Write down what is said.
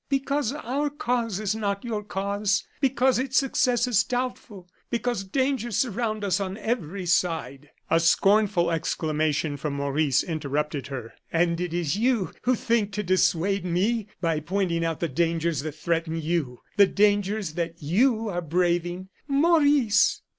"Because our cause is not your cause; because its success is doubtful; because dangers surround us on every side." A scornful exclamation from Maurice interrupted her. "And it is you who think to dissuade me by pointing out the dangers that threaten you, the dangers that you are braving " "Maurice!"